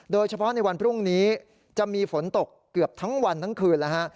โดยเฉพาะในวันพรุ่งนี้จะมีฝนตกเกือบทั้งวันทั้งคืนแล้วฮะ